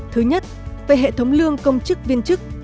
thứ nhất về hệ thống lương công chức viên chức